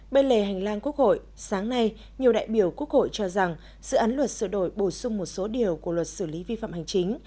bên lề hành lang quốc hội sáng nay nhiều đại biểu quốc hội cho rằng dự án luật sửa đổi bổ sung một số điều của luật xử lý vi phạm hành chính